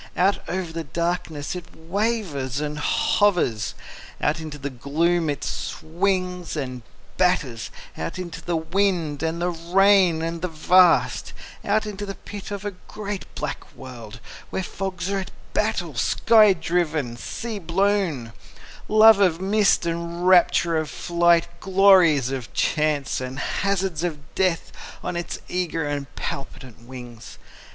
Out over the darkness it wavers and hovers, Out into the gloom it swings and batters, Out into the wind and the rain and the vast, Out into the pit of a great black world, Where fogs are at battle, sky driven, sea blown, Love of mist and rapture of flight, Glories of chance and hazards of death On its eager and palpitant wings.